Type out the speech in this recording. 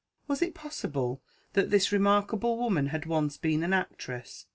Was it possible that this remarkable woman had once been an actress?